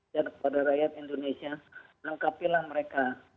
dan kepada rakyat indonesia lengkapilah mereka